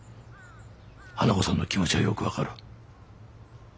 花子さんの気持ちはよく分かる。